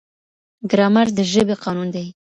ګرامر د ژبې قانون دی.